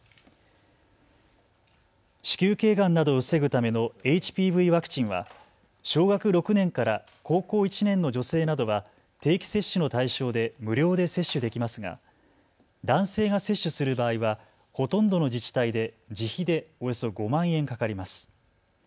子宮けいがんなどを防ぐためのＨＰＶワクチンは小学６年から高校１年の女性などは定期接種の対象で無料で接種できますが男性が接種する場合はほとんどの自治体で自費でおよそ５万円かかります。